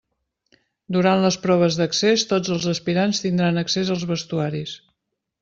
Durant les proves d'accés tots els aspirants tindran accés als vestuaris.